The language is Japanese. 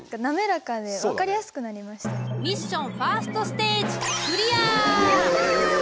ミッションファーストステージイエイ！